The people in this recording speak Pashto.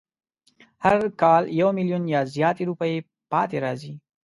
هر کال یو میلیونه یا زیاتې روپۍ پاتې راځي.